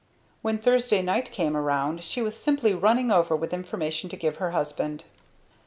When Thursday night came around she was simply running over with information to give her husband.